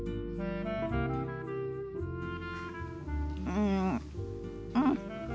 うんうん。